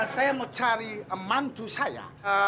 saya mau cari mantu saya